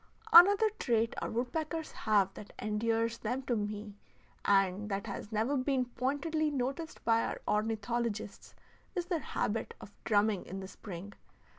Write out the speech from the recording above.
Another trait our woodpeckers have that endears them to me, and that has never been pointedly noticed by our ornithologists, is their habit of drumming in the spring.